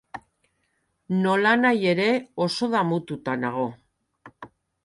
Nolanahi ere, oso damututa nago.